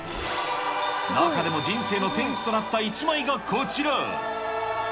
中でも人生の転機となった１枚がこちら。